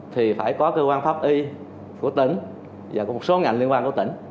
thì phải có cơ quan pháp y của tỉnh và của một số ngành liên quan của tỉnh